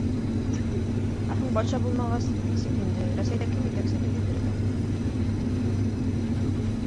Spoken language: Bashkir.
Ә һуң батша булмағас, нисек инде, Рәсәйҙә кем етәкселек итер икән...